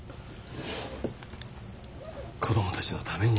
子供たちのために。